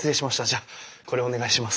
じゃこれお願いします。